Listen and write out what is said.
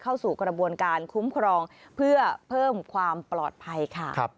เข้าสู่กระบวนการคุ้มครองเพื่อเพิ่มความปลอดภัยค่ะ